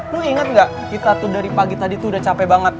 lu inget gak kita tuh dari pagi tadi tuh udah capek banget